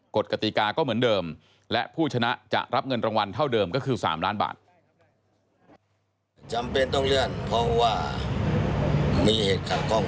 กติกาก็เหมือนเดิมและผู้ชนะจะรับเงินรางวัลเท่าเดิมก็คือ๓ล้านบาท